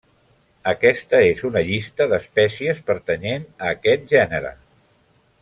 Aquesta és una llista d'espècies pertanyent a aquest gènere.